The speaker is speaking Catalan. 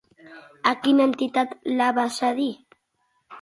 A quina entitat la va cedir?